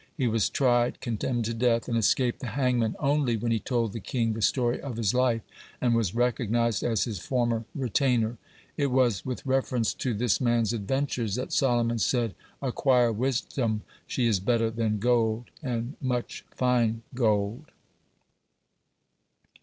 He was tried, condemned to death, and escaped the hangman only when he told the king the story of his life, and was recognized as his former retainer. It was with reference to this man's adventures that Solomon said: "Acquire wisdom; she is better than gold and much fine gold."